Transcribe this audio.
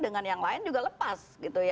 dengan yang lain juga lepas